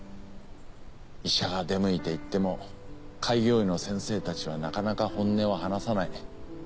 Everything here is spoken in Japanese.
医者が出向いて行っても開業医の先生たちはなかなか本音を話さない。